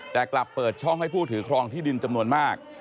แต่กลับเปิดช่องให้ผู้ถือครองที่ดินจำนวนมาก